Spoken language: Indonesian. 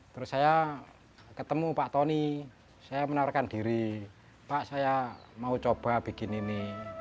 terus saya ketemu pak tony saya menaruhkan diri pak saya mau coba bikin ini